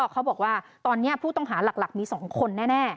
เขาบอกว่าตอนนี้ผู้ต้องหาหลักมี๒คนแน่